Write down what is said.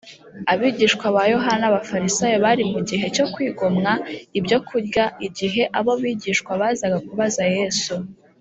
abigishwa ba yohana n’abafarisayo bari mu gihe cyo kwigomwa ibyo kurya igihe abo bigishwa bazaga kubaza yesu